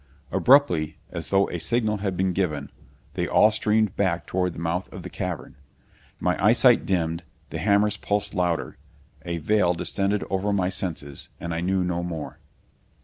Abruptly, as though a signal had been given, they all streamed back toward the mouth of the cavern.... My eyesight dimmed.... The hammers pulsed louder.... A veil descended over my senses and I knew no more....